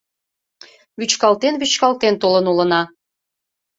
Вӱчкалтен-вӱчкалтен толын улына.